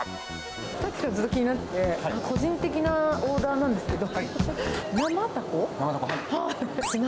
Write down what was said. さっきからずっと気になってて、個人的なオーダーなんですけど。